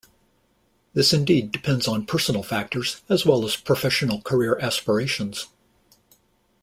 This indeed depends on personal factors as well as professional career aspirations.